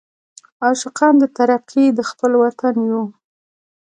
عاشقان د ترقۍ د خپل وطن یو.